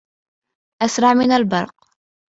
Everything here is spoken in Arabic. أسرع من البرق